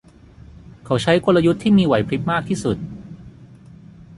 เขาใช้กลยุทธ์ที่มีไหวพริบมากที่สุด